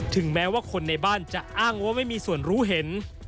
แม้ว่าคนในบ้านจะอ้างว่าไม่มีส่วนรู้เห็น